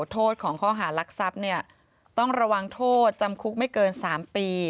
โทษของข้อหารลักษับต้องระวังโทษจำคุกไม่เกิน๓ปี